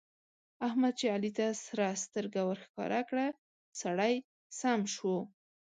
احمد چې علي ته سره سترګه ورښکاره کړه؛ سړی سم شو.